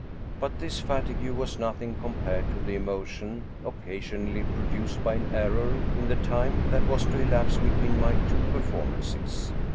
But this fatigue was as nothing compared to the emo tion occasionally produced by an error in the time that was to elapse between my two performances.